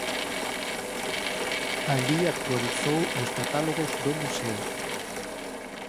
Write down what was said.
Alí actualizou os catálogos do museo.